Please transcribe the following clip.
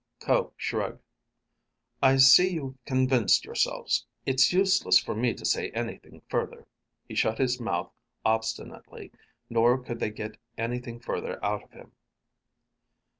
Ko shrugged. "I see you've convinced yourselves. It's useless for me to say anything further." He shut his mouth obstinately, nor could they get anything further out of him.